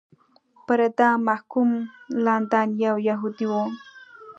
پر اعدام محکوم لندن یو یهودی و.